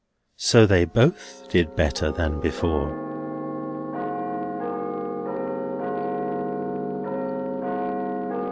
So they both did better than before.